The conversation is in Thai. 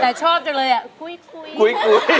แต่ชอบจริงคุย